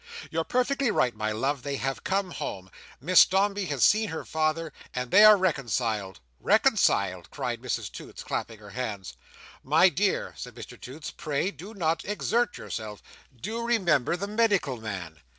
"You're perfectly right, my love, they have come home. Miss Dombey has seen her father, and they are reconciled!" "Reconciled!" cried Mrs Toots, clapping her hands. "My dear," said Mr Toots; "pray do not exert yourself. Do remember the medical man!